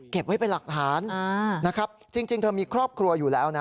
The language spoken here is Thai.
ไว้เป็นหลักฐานนะครับจริงเธอมีครอบครัวอยู่แล้วนะ